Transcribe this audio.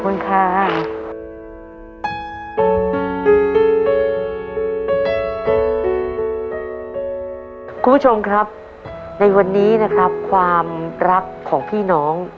คุณผู้ชมครับในวันนี้นะครับความรักของพี่น้อง